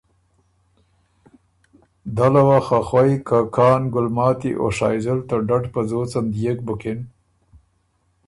دله وه خه خوئ که کان ګلماتي او شائزل ته ډډ په ځوڅن دئېک بُکِن